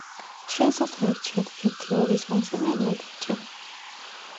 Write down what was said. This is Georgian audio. შეეძლოთ აერჩიათ ერთი-ორი, სამ-სამი ან მეტი ბჭე.